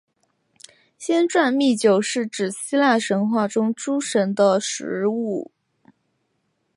仙馔密酒是指希腊神话中诸神的食物。